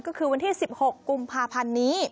ก็คือวันที่๑๖กุมภาพันธ์นี้